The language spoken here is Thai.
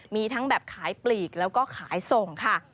มีทั้งแบบขายปลีกแล้วก็ขายส่งค่ะ